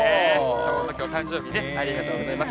きょうお誕生日ね、ありがとうございます。